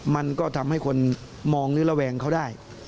มันก็ทำให้คนมองหรือระแวงเขาได้